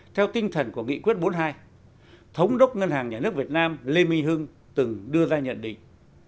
theo tinh thần của nghị quyết bốn mươi hai thống đốc ngân hàng nhà nước việt nam lê minh hưng từng đưa ra nhận định